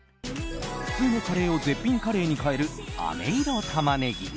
普通のカレーを絶品カレーに変えるあめ色タマネギ。